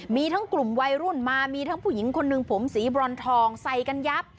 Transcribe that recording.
มีทั้งกลุ่มวัยรุ่นมามีทั้งผู้หญิงคนหนึ่งผมสีบรอนทองใส่กันยับ